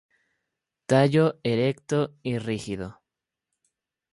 Tallo erecto y rígido.